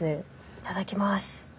いただきます。